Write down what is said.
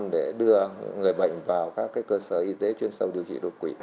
để đưa người bệnh vào các cơ sở y tế chuyên sâu điều trị độc quỷ